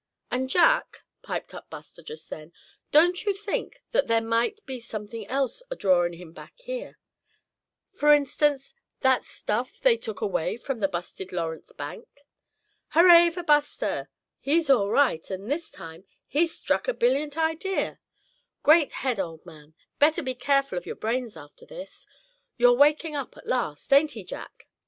"And Jack," piped up Buster just then, "don't you think that there might be something else adrawin' him back here f'r instance, that stuff they took away from the busted Lawrence bank?" "Hurray for Buster; he's all right; and this time he's struck a brilliant idea! Great head, old man, better be careful of your brains after this. You're waking up at last; ain't he, Jack?"